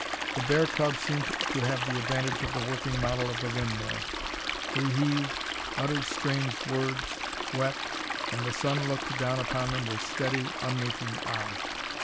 The bear cub seemed to have the advantage of the working model of the windmill. They heaved, uttered strange words, wept, and the sun looked down upon them with steady, unwinking eye.